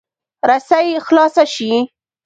رسۍ خلاصه شي.